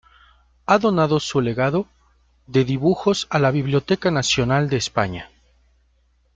Ha donado su legado de dibujos a la Biblioteca Nacional de España.